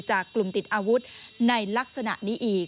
จากกลุ่มติดอาวุธในลักษณะนี้อีก